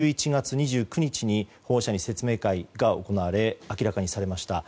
そして昨日、１１月２９日に保護者に説明会が行われ明らかにされました。